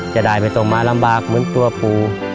จะได้ไปตกมาลำบากเหมือนตัวปุ๋